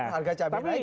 harga cabai naik